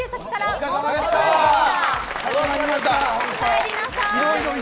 おかえりなさい。